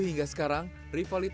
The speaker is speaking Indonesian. saya sudah berusaha untuk mencari atlet